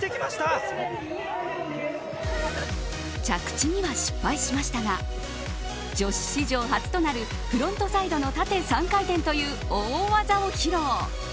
着地には失敗しましたが女子史上初となるフロントサイドの縦３回転という大技を披露。